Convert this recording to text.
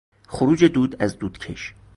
خروج دود از دودکش